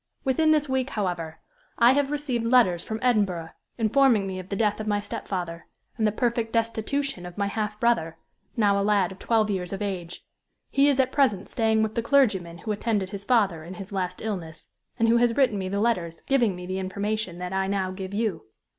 Within this week, however, I have received letters from Edinburgh, informing me of the death of my stepfather, and the perfect destitution of my half brother, now a lad of twelve years of age. He is at present staying with the clergyman who attended his father in his last illness, and who has written me the letters giving me the information that I now give you.